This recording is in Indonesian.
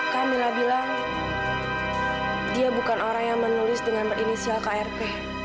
kamila bilang dia bukan orang yang menulis dengan berinisial krp